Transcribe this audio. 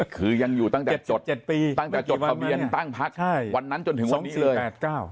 คือยังอยู่ตั้งแต่จด๗ปีตั้งแต่จดทะเบียนตั้งพักวันนั้นจนถึงวันนี้เลย